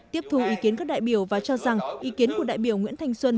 tiếp thu ý kiến các đại biểu và cho rằng ý kiến của đại biểu nguyễn thanh xuân